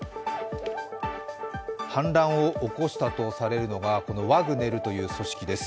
反乱を起こしたとされるのがこのワグネルという組織です。